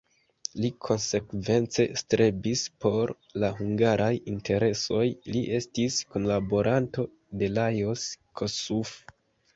Li konsekvence strebis por la hungaraj interesoj, li estis kunlaboranto de Lajos Kossuth.